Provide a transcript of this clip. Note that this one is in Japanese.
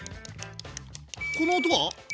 この音は？